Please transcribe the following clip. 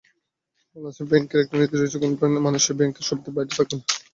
বাংলাদেশ ব্যাংকের একটা নীতি রয়েছে, কোনো মানুষই ব্যাংকিং সুবিধার বাইরে থাকবে না।